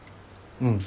うん。